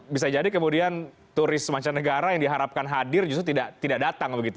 bisa jadi kemudian turis mancanegara yang diharapkan hadir justru tidak datang begitu